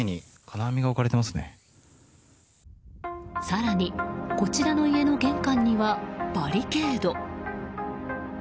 更にこちらの家の玄関にはバリケード。